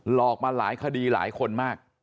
หลอกมาหลายคดีหลายคนมาก